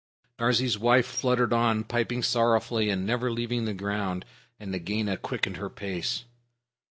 Darzee's wife fluttered on, piping sorrowfully, and never leaving the ground, and Nagaina quickened her pace.